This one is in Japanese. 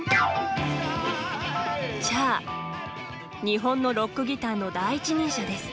日本のロックギターの第一人者です。